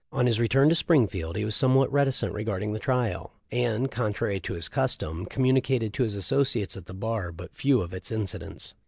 On his return to Springfield he was somewhat reti cent regarding the trial, and, contrary to his custom, communicated to his associates at the bar but few of its incidents.